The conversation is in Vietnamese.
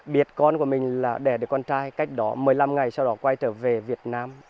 biết con của mình là đẻ được con trai cách đó một mươi năm ngày sau đó quay trở về việt nam